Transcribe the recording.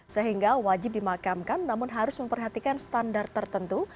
sehingga wajib dimakamkan namun harus memperhatikan standar tertentu